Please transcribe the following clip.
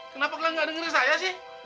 kenapa kalian gak dengerin saya sih